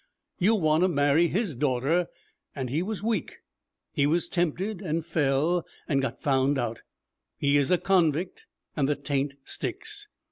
You want to marry his daughter. And he was weak. He was tempted and fell and got found out. He is a convict, and the taint sticks.